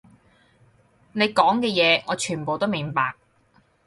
你講嘅嘢，我全部都明白